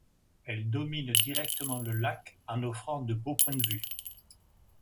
Elle domine directement le lac en offrant de beaux points de vue.